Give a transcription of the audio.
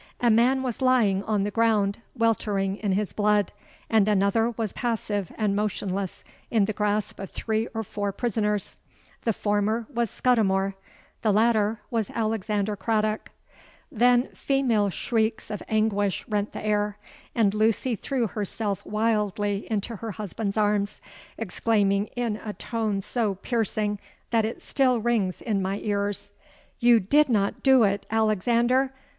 A man was lying on the ground, weltering in his blood; and another was passive and motionless in the grasp of three or four prisoners. The former was Scudimore: the latter was Alexander Craddock. Then female shrieks of anguish rent the air; and Lucy threw herself wildly into her husband's arms, exclaiming in a tone so piercing that it still rings in my ears—'You did not do it, Alexander!